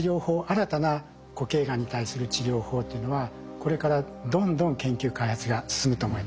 新たな固形がんに対する治療法というのはこれからどんどん研究開発が進むと思います。